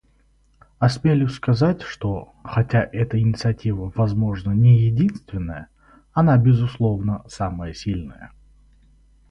Осмелюсь сказать, что, хотя эта инициатива, возможно, не единственная, она, безусловно, самая сильная.